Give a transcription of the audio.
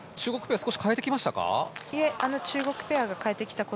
中国ペア少し変えてきましたか？